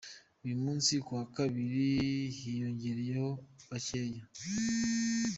Uyu munsi ku wa kabiri hiyongereyeho bakeya.